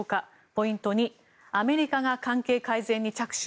ポイント２アメリカが関係改善に着手